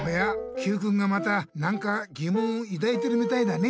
Ｑくんがまたなんかぎもんをいだいてるみたいだね。